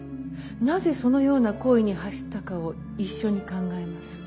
なぜそのような行為に走ったかを一緒に考えます。